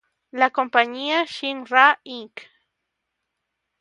La compañía Shin-Ra, Inc.